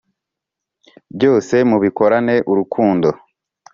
Kr byose mubikorane urukundo